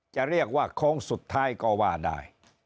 จะเรียกว่าโค้งสุดท้ายก็ว่าได้